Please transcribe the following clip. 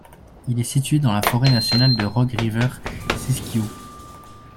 Il est situé dans la forêt nationale de Rogue River-Siskiyou.